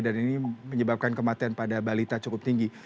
dan ini menyebabkan kematian pada balita cukup tinggi